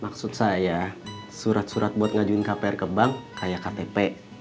maksud saya surat surat buat ngajuin kpr ke bank kayak ktp